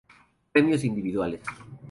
Premios individuales.